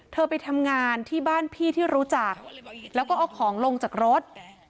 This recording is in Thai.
ไปทำงานที่บ้านพี่ที่รู้จักแล้วก็เอาของลงจากรถ